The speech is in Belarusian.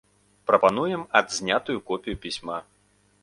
Прапануем адзнятую копію пісьма.